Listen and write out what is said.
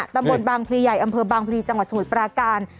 ตำบลบางพลีใหญ่อำเภอบางพลีจังหวัดสมุทรปราการ